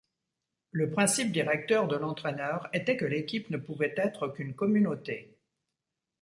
Le principe directeur de l'entraîneur était que l'équipe ne pouvait être qu'une communauté.